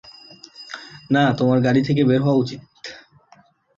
না, তোমার গাড়ি থেকে বের হওয়া উচিত।